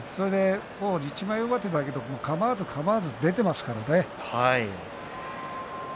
一枚上手だけれどもかまわずかまわず出てますからね。